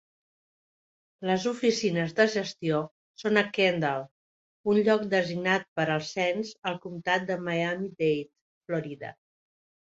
Les oficines de gestió són a Kendall, un lloc designat per al cens al comtat de Miami-Dade (Florida).